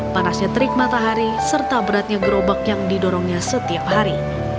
panasnya terik matahari serta beratnya gerobak yang didorongnya setiap hari